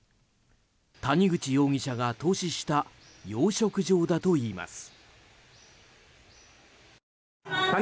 谷口容疑者が投資した養殖場だといいます。